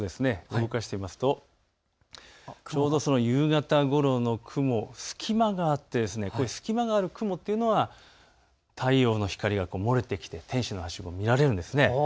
動かすとちょうど夕方ごろの雲、隙間があって隙間がある雲というのは太陽の光が漏れてきて天使のはしご、見られるんです。